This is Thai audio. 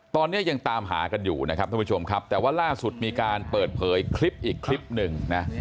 ตอนนี้ยังตามหากันอยู่นะครับท่านผู้ชมครับแต่ว่าล่าสุดมีการเปิดเผยคลิปอีกคลิปหนึ่งนะ